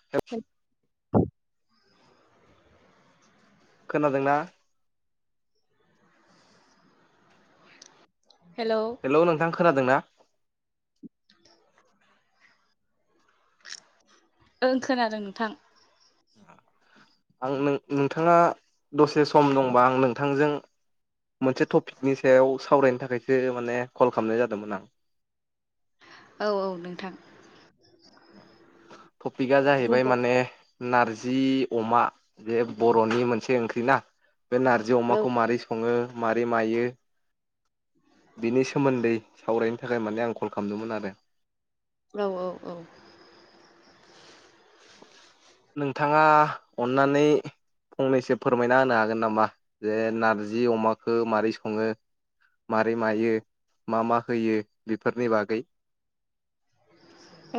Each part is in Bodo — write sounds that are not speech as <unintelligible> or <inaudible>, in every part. <inaudible> खोनादोंना हेलौ हेलौ नोंथां खोनादों ना ओं खोनादों नोंथां आं नों-नोंथाङा दसे सम दंबा आं नोंथांजों मोनसे टपिकनि सायाव सावरायनो थाखायसो माने कल खामनाय जादोंमोन आं औ औ नोंथां टपिका जाहैबाय बुंदो। माने नारजि अमा बे बर'नि मोनसे ओंख्रि ना बे नारजि औ अमाखौ मारै सङो मारै मायो बिनि सोमोन्दै सावरायनो थाखाय माने आं कल खामदोंमोन आरो औ औ औ नोंथाङा अन्नानै फंनैसो फोरमायना होनो हागोन नामा जे नारजि अमाखो मारै सङो मारै मायो मा मा होयो बेफोरनि बागै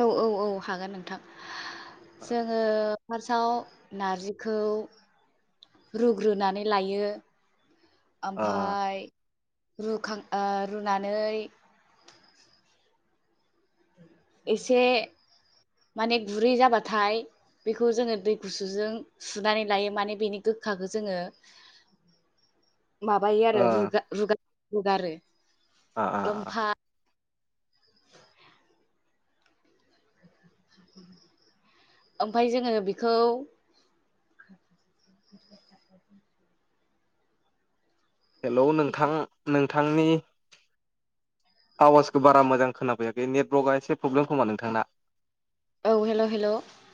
औ औ औ हागोन नोंथां ओ जोङो फार्सआव नारजिखौ रुग्रोनानै लायो ओ ओमफाय रुखां ओ रुनानै एसे माने गुरै जाबाथाय बेखौ जोङो दै गुसुजों सुनानै लायो माने बेनि गोखाखो जोङो माबायो आरो आ रुगा-रुगा-रुगारो आ आ लंफा ओमफाय जोङो बेखौ हेलौ नोंथां, नोंथांनि आवाजखौ बारा मोजां खोनाफैयाखै नेटवर्कआ एसे प्रब्लेम खोमा नोंथांना। औ हेलौ हेलौ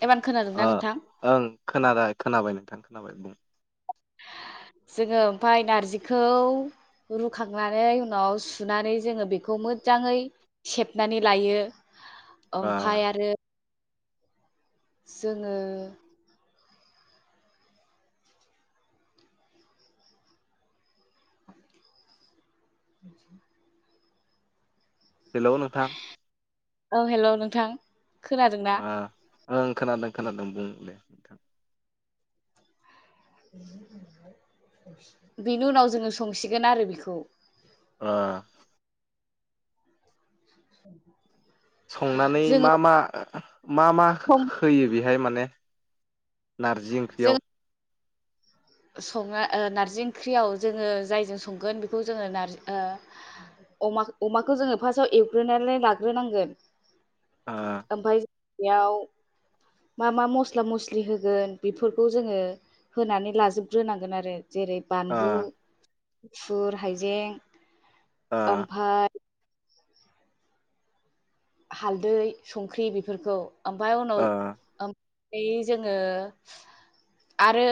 एबार खोनादों ओ ना नोंथां? ओं खोनाबाय खोनाबाय नोंथां खोनाबाय बुं जोङो ओमफाय नारजिखौ रुखांनानै उनाव सुनानै जोङो बेखौ मोजाङै सेबनानै लायो ओ ओमफाय आरो जोङो बि हेलौ नोंथां औ हेलौ नोंथां खोनादों ना? ओ ओं खोनादों खोनादों बुं दे नोंथां। बेनि उनाव जोङो संसिगोन आरो बेखौ। अ औ संनानै मा मा मा मा सं होयो बेहाय माने नारजि जों ओंख्रियाव संना ओ नार्जि ओंख्रियाव जोङो जायजों संगोन बेखौ जोङो नारजि ओ अमाखौ जोङो फार्सआव एवग्रोनालाय लाग्रोनांगोन ओ ओमफाय बेयाव मा मा मस्ला मस्लि होगोन बेफोरखौ जोङो होनानै लाजोब ग्रोनांगोन आरो जेरै ओ बानलु गुफुर हाइजें ओ ओमफाय हालदै संख्रि बेफोरखौ ओमफाय उनाव ओ <unintelligible> जोङो आरो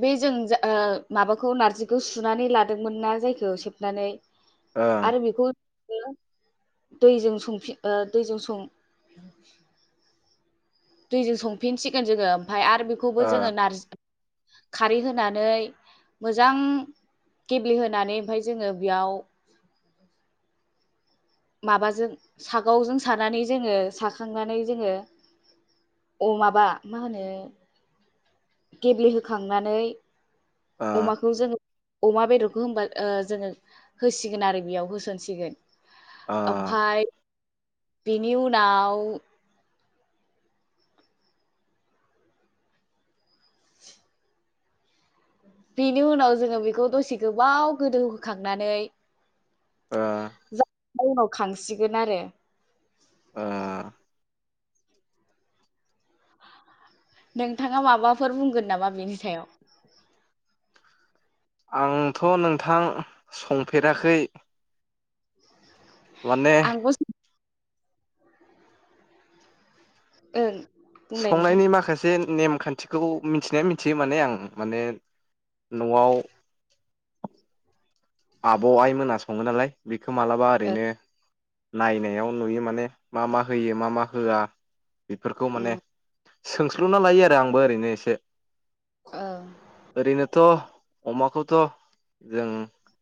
बे जों जा ओ माबाखौ नारजिखौ सुनानै लादोंमोन ना जायखौ सेबनानै ओं आरो बेखौ दैजों संफिन ओ दैजों सं दैजों संफिनसिगोन जोङो ओमफाय आरो बेखौबो ओ जोङो नारजि खारै होनानै मोजां गेब्लेहोनानै ओमफाय जोङो बेयाव माबाजों सागावजों सानानै जोङो साखांनानै जोङो अ माबा मा होनो गेब्लेहोखांनानै ओ अमाखौ जों अमा बेदरखौ होनबा ओ जोङो होसिगोन आरो बेयाव होसनसिगोन। ओ ओमफाय बिनि उनाव बेनि उनाव जोङो बेखौ दसे गोबाव गोदौहोखांनानै ओ <unintelligible> उनाव खांसिगोन आरो ओ नोंथाङा माबाफोर बुंगोन नामा बेनि सायाव? आंथ' नोंथां संफेराखै। माने <unintelligible> ओं बुंलाय नोंथां संनायनि माखासे नेमखान थिखौ मिथिनाया मिथियो माने आं माने न'आव आब' आइ मोना सङो नालाय बेखौ मालाबा ओ ओरैनो नायनायाव नुयो माने मा मा होयो मा मा होआ बेफोरखौ उम माने सोंस्लुना लायो आरो आंबो ओरैनो एसे। ओं ओरैनोथ' अमाखौथ' जों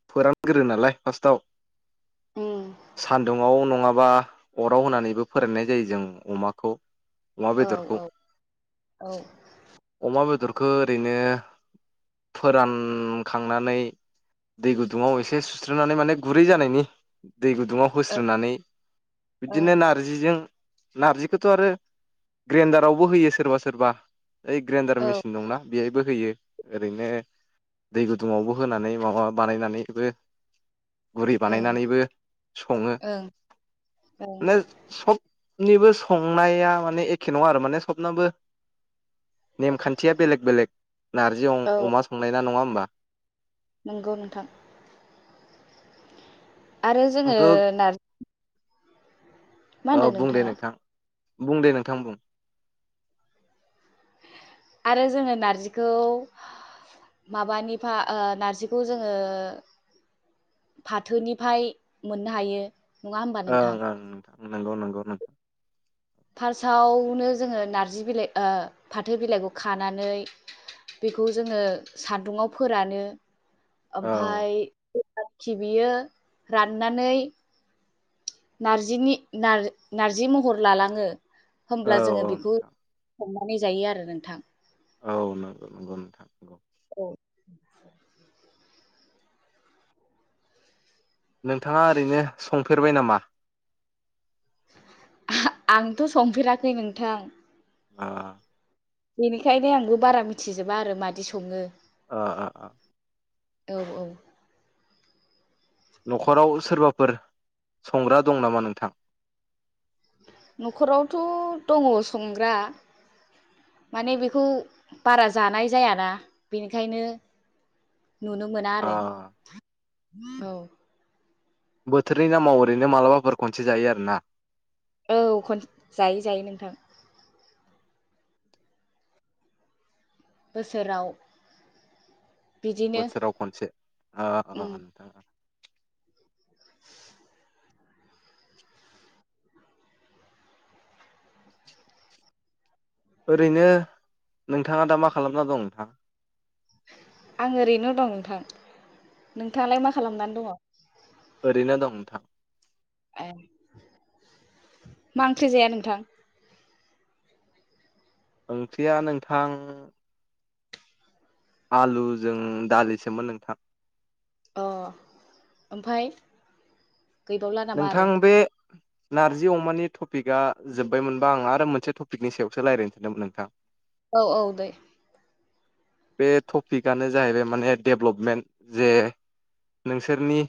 फोरानग्रोयो नालाय फार्स्टआव उम सान्दुंडाव नङाबा अराव होनानैबो फोराननाय जायो जों अमाखौ। अमा औ बेदरखौ औ औ। अमा बेदरखौ ओरैनो फोरानखांनानै दै गुदुङाव एसे सुस्रोनानै माने गुरै जानायनि दै गुदुङाव ओ होस्रोनानै ओं बिदिनो नार जिजों नारजिखौथ' आरो ग्रेन्दारावबो होयो सोरबा सोरबा। ओइ ग्रेन्डार औ मेसिन दंना बेहायबो होयो ओरैनो दै गुदुङावबो होनानै माबा बानायनानैबो गुरि ओं बानायनानैबो सङो ओं ओं <unintelligible> सब निबो संनाया माने एखे नङा आरो माने सबनाबो नेमखान्थिया बेलेग बेलेग नारजि अ औ अमा संनाय ना नङा होमबा? नंगौ नोंथां आरो जोङो आंथ' नार मा औ होनदों बुं दे नोंथाङा नोंथां बुं दे नोंथां बुं। आरो जोङो नारजिखौ माबानिफा ओ नारजिखौ जोङो फाथोनिफ्राय मोननो हायो। नङा होमबा ओं नोंथां ओं नोंथां नंगौ नंगौ नों फार्स्टआवनो जोङो नार्जि बिलाइ ओ फाथो बिलाइखौ खानानै बेखौ जोङो सादुंआव फोरानो। औ ओमफाय <unintelligible> बियो राननानै नारजिनि नार नार्जि महर लालाङो औ होमब्ला जोङो औ बेखौ नोंथां <unintelligible> जायो आरो नोंथां। औ नंगौ नंगौ नोंथां नंगौ। औ। नोंथाङा ओरैनो संफेरबाय नामा? आंथ' संफेराखै नोंथां। ओ बेनिखायनो आंबो बारा मिथिजोबा आरो मादि सङो? ओ ओ। औ औ। न'खराव सोरबाफोर संग्रा दं नामा नोंथां? न'खरावथ' दङ संग्रा। माने बेखौ बारा जानाय जायाना बेनिखायनो नुनो मोना ओ आरो औ। बोथोरनि नामाव ओरैनो मालाबाफोर खनसे जायो आरोना। औ खन जायो जायो नोंथां बोसोराव। बिदिनो बोथोराव खनसे ओ उम ओ नोंथां ओरैनो नोंथाङा दा मा खालामना दं नोंथां? आं ओरैनो दं नोंथां। नोंथाङालाय मा खालामनानै दङ? ओरैनो दं नोंथां। ए, मा ओंख्रि जाया नोंथां? ओंख्रिया नोंथां आलुजों दालिसोमोन नोंथां। अ' ओमफ्राय? नोंथां बे नारजि अमानि टपिकआ जोब्बाय मोनबा आं आरो मोनसे टपिकनि सायावसो रालायनो थिदोंमोन नोंथां औ औ दे बे टपिकआनो जाहैबाय माने डेभ्लपमेन्ट जे नोंसोरनि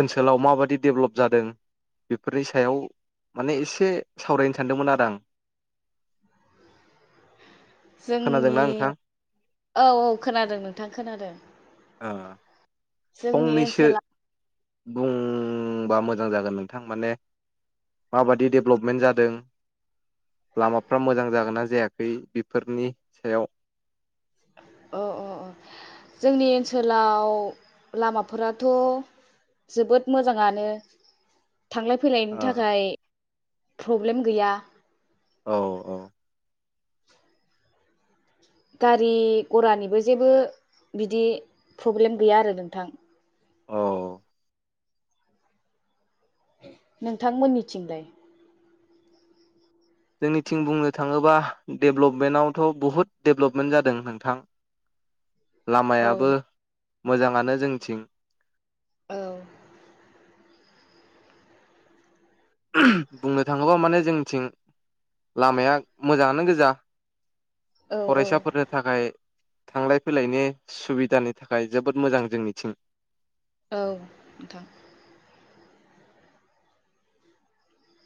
ओनसोलाव माबाददि डेभलप जादों बेफोरनि सायाव माने एसे सावरायनो सानदोंमोन आरो आं <inaudible> खोनादोंना जोंनि नोंथां औ औ खोनादों नोंथां खोनादों ओ जोंनि फंनैसो ओनसोला बुंबा मोजां जागोन नोंथां माने माबादि डेभलपमेन्ट जादों लामाफ्रा मोजां जागोन ना जायाखै बेफोरनि सायाव ओ ओ जोंनि ओनसोलाव लामाफोराथ' जोबोद मोजाङानो थांलाय फैलायनि ओ थाखाय प्रब्लेम गैया औ औ गारि गरानिबो जेबो बिदि प्रब्लेम गैया आरो नोंथां औ नोंथांमोननिथिंलाय जोंनिथिं बुंनो थाङोबा डेभलपमेन्टआवथ' बहुत डेभलपमेन्ट जादों नोंथां <inaudible> औ लामायाबो मोजाङानो जोंनिथिं औ बुंनो थाङोबा माने जोंनिथिं लामाया मोजाङानो गोजा औ फरायसाफोरनि थाखाय थांलाय फैलायनि सुबिदानि थाखाय जोबोद मोजां जों निथिं औ नोंथां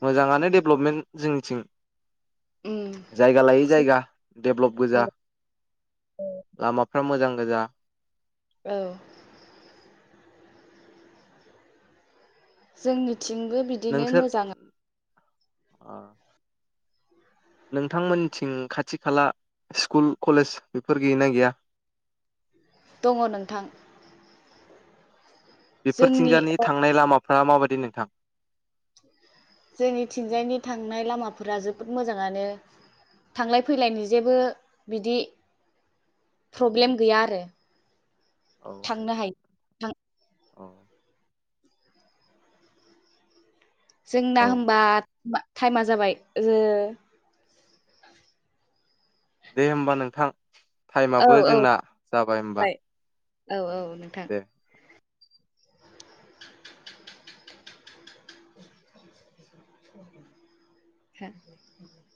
मोजाङानो डेभलपमेन्ट जोंनिथिं जायगा लायै जायगा डेभलप औ गोजा लामाफ्रा मोजां गोजा औ जोंनिथिंबो बिदिनो नोंसोर मोजां नोंथांमोननिथिं खाथि खाला स्कुल कलेज बेफोर गैयगोना गैया दङ नोंथां जोंनि बेफोरथिंजानि थांनाय लामाफ्रा माबायदि नोंथां जोंनिथिंजायनि थांनाय लामाफोरा जोबोद मोजाङानो थांलाय फैलायनि जेबो बिदि प्रब्लेम गैया आरो औ थांनो हायो औ औ जोंना औ होमबा टाइमा जाबाय ओ दे होमबा नोंथां औ टाइमाबो जोंना जाबाय होमबा औ औ नोंथां दे। ह <unintelligible>